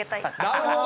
なるほど！